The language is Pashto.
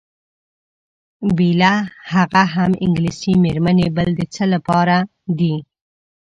بېله هغه هم انګلیسۍ میرمنې بل د څه لپاره دي؟